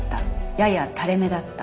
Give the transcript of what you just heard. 「ややタレ目だった」